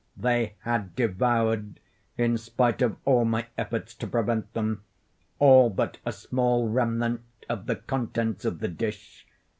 They had devoured, in spite of all my efforts to prevent them, all but a small remnant of the contents of the dish.